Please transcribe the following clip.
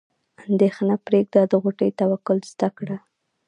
اندیښنه پرېږده د غوټۍ توکل زده کړه.